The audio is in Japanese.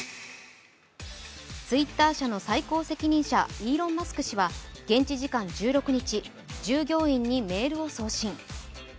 Ｔｗｉｔｔｅｒ社の最高責任者イーロン・マスク氏は現地時間１６日、従業員にメールを送信。